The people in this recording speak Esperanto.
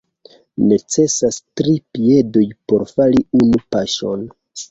Necesas tri piedoj por fari unu paŝon.